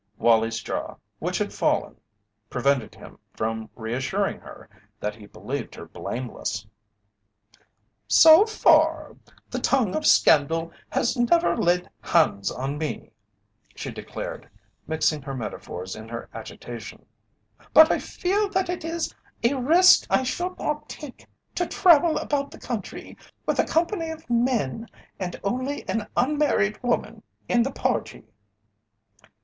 Wallie's jaw, which had fallen, prevented him from reassuring her that he believed her blameless. "So far, the tongue of scandal has never laid hands on me," she declared, mixing her metaphors in her agitation, "but I feel that it is a risk I should not take to travel about the country with a company of men and only an unmarried woman in the party."